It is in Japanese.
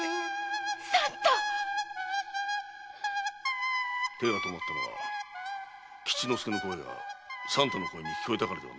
〔三太！〕手が止まったのは吉之助の声が三太の声に聞こえたからでは？